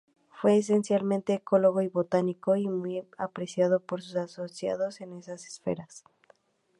Fue esencialmente ecólogo y botánico; y muy apreciado por sus asociados en esas esferas.